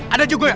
ada juga ya